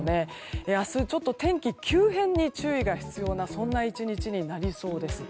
明日、ちょっと天気急変に注意が必要な１日になりそうです。